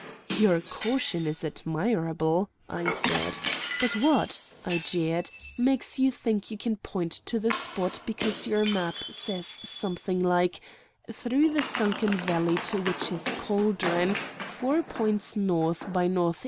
"Your caution is admirable," I said; "but what," I jeered, "makes you think you can point to the spot, because your map says something like, 'Through the Sunken Valley to Witch's Caldron, four points N. by N. E.